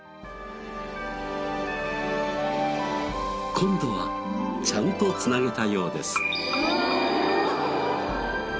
今度はちゃんと繋げたようです。